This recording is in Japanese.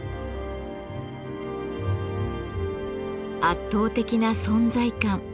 圧倒的な存在感。